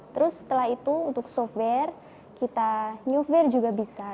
terus setelah itu untuk software kita newware juga bisa